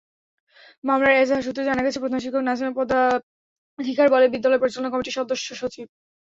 মামলার এজাহার সূত্রে জানা গেছে, প্রধান শিক্ষক নাসিমা পদাধিকারবলে বিদ্যালয় পরিচালনা কমিটির সদস্যসচিব।